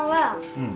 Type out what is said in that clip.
うん？